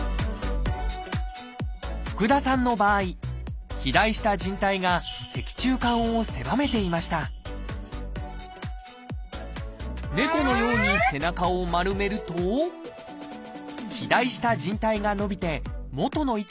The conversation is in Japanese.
福田さんの場合肥大したじん帯が脊柱管を狭めていました猫のように背中を丸めると肥大したじん帯が伸びて元の位置に戻ります。